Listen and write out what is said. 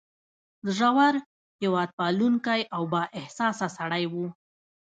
زړور، هیواد پالونکی او با احساسه سړی و.